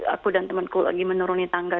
aku dan temanku lagi menuruni tangga